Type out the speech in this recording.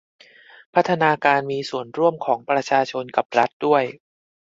พัฒนาการมีส่วนร่วมของประชาชนกับรัฐด้วย